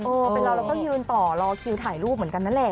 เป็นเราเราก็ยืนต่อรอคิวถ่ายรูปเหมือนกันนั่นแหละ